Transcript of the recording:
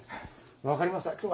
分かりました。